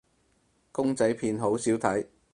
公仔片好少睇